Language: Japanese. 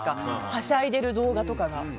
はしゃいでる動画が。